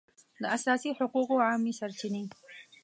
د اساسي حقوقو عامې سرچینې